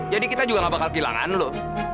jadi kita juga gak bakal kehilangan lo